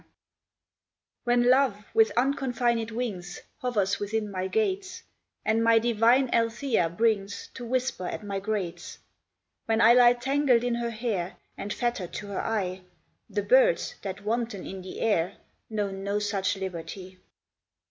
1 When Love, with unconfined wings, Hovers within my gates, And my divine Althea brings To whisper at my grates; When I lie tangled in her hair, And fetter'd to her eye, The birds, that wanton in the air, Know no such liberty.